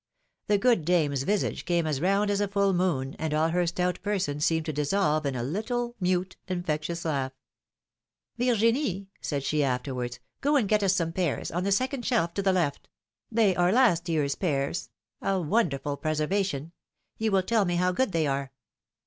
^^ The good dame's visage became as round as a full moon, and all her stout person seemed to dissolve in a little, mute, infectious laugh. Virginie," said she afterwards, ^^go and get us some pears, on the second shelf to the left ; they are last year's pears — a wonderful preservation; you will tell me how good they are